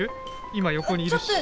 今横にいるし。